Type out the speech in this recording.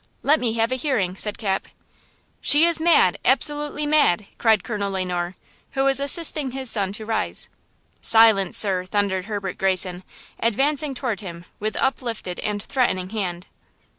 Let me have a hearing!" said Cap. "She is mad! absolutely mad!" cried Colonel Le Noir, who was assisting his son to rise. "Silence, sir!" thundered Herbert Greyson, advancing toward him with uplifted and threatening hand.